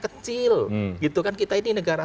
kecil gitu kan kita ini negara